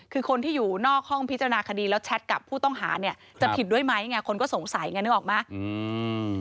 คือคนที่อยู่นอกห้องพิจารณาคดีแล้วแชทกับผู้ต้องหาเนี่ยจะผิดด้วยไหมไงคนก็สงสัยไงนึกออกไหมอืม